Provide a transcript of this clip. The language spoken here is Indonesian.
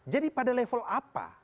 jadi pada level apa